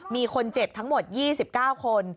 มีคนเจ็บทั้งหมด๒๙คน